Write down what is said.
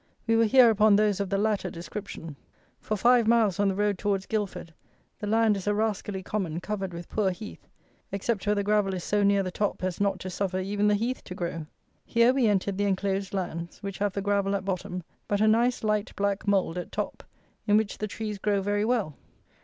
We were here upon those of the latter description. For five miles on the road towards Guildford the land is a rascally common covered with poor heath, except where the gravel is so near the top as not to suffer even the heath to grow. Here we entered the enclosed lands, which have the gravel at bottom, but a nice light, black mould at top; in which the trees grow very well.